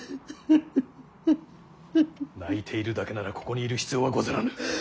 泣いているだけならここにいる必要はござらぬ。